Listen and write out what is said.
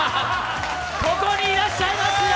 ここにいらっしゃいますよ！